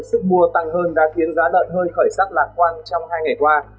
sức mua tăng hơn đã khiến giá lợn hơi khởi sắc lạc quan trong hai ngày qua